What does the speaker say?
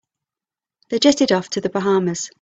They jetted off to the Bahamas.